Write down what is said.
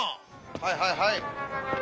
はいはいはい。